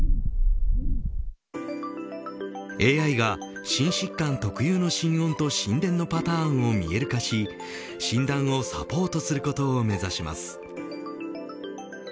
ＡＩが、心疾患特有の心音と心電の波形パターンを見える化し、診断をサポートすることを目指します。